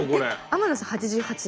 天野さん８８？